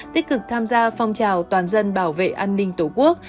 tích cực tham gia phong trào toàn dân bảo vệ an ninh tổ quốc